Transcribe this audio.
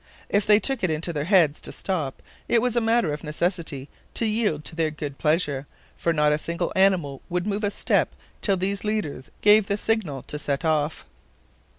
If they took it into their heads to stop, it was a matter of necessity to yield to their good pleasure, for not a single animal would move a step till these leaders gave the signal to set off.